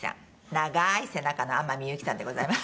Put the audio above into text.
長い背中の天海祐希さんでございます。